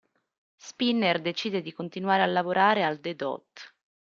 Spinner decide di continuare a lavorare al The Dot.